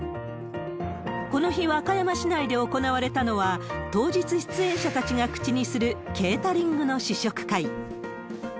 この日、和歌山市内で行われたのは、当日、出演者たちが口にするケータリングの試食会。